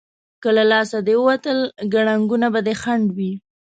که له لاسه دې ووتل، کړنګونه به دې خنډ وي.